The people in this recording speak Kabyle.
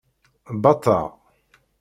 Bateɣ.